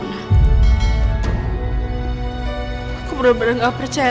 aku bener bener gak percaya